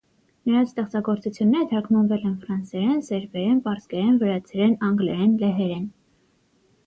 Նրա ստեղծագործությունները թարգմանվել են ֆրանսերեն, սերբերեն, պարսկերեն, վրացերեն, անգլերեն, լեհերեն։